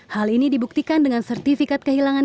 hal ini dibuktikan dengan sertifikat kehilangan